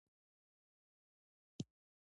دا نښې په راوروسته قومونو کې ډېرې لیدل کېږي.